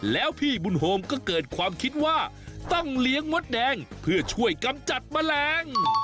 แล้วพี่บุญโฮมก็เกิดความคิดว่าต้องเลี้ยงมดแดงเพื่อช่วยกำจัดแมลง